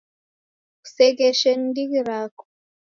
Kusegheshe ni ndighi rako.